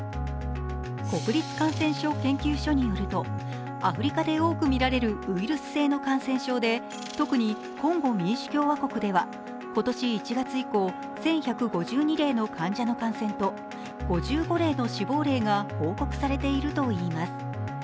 国立感染症研究所によると、アフリカで多く見られるウイルス性の感染症で特にコンゴ民主共和国では今年１月以降、１１５２例の患者の感染と５５例の死亡例が報告されているといいます。